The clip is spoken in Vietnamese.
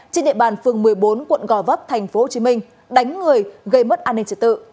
trên địa bàn phường một mươi bốn quận gò vấp tp hcm đánh người gây mất an ninh trật tự